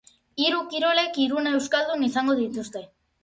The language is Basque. Hiru kirolek hiruna euskaldun izango dituzte.